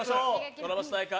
ドラマ主題歌